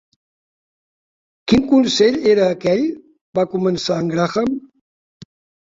"Quin Consell era aquell?" va començar en Graham.